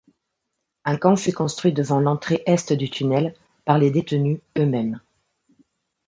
Un camp fut construit devant l'entrée Est du tunnel par les détenus eux-mêmes.